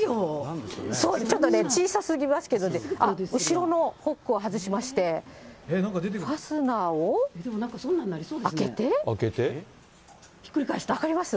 ちょっとね小さすぎますけどね、後ろのホックを外しまして、ファスナーを開けて、分かります？